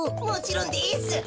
もちろんです！